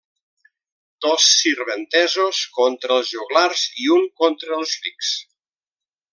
Dos sirventesos contra els joglars i un contra els rics.